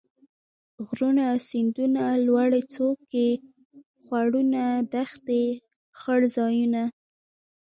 غرونه ،سيندونه ،لوړې څوکي ،خوړونه ،دښتې ،څړ ځايونه